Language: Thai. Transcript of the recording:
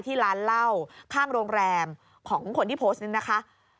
ที่ร้านเหล้าข้างโรงแรมของคนที่โพสต์นี้นะคะ